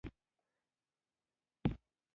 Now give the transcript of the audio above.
د پيژو بېساری پرمختګ د انساني همکارۍ یوه بېلګه ده.